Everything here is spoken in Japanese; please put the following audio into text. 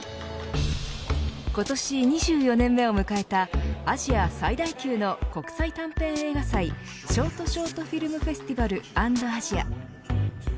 今年２４年目を迎えたアジア最大級の国際短編映画祭ショートショートフィルムフェスティバル＆アジア。